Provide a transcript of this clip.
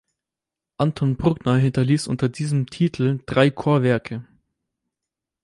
Anton Bruckner hinterließ unter diesem Titel drei Chorwerke.